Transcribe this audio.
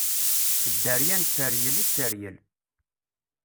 Dderya n tteryel i tteryel!